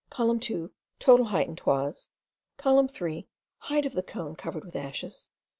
Column 2: Total height in toises. Column 3: Height of the cone covered with ashes.